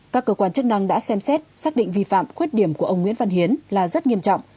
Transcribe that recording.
các cơ quan chức năng đã xem xét xác định vi phạm khuyết điểm của ông nguyễn văn hiến là rất nghiêm trọng